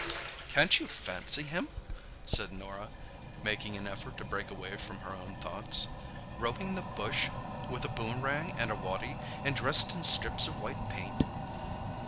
"Can't you fancy him!" said Norah, making an effort to break away from her own thoughts; "roaming the bush with a boomerang and a waddy, and dressed in strips of white paint."